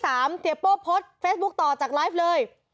เสียโป้โพสต์เฟซบุ๊คต่อจากไลฟ์เลย